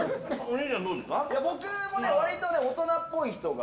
僕も割と大人っぽい人が。